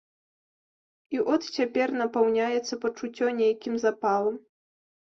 І от цяпер напаўняецца пачуццё нейкім запалам.